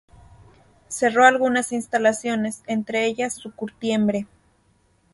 Cerró algunas instalaciones, entre ellas su curtiembre.